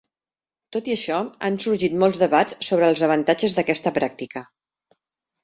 Tot i això, han sorgit molts debats sobre els avantatges d'aquesta pràctica.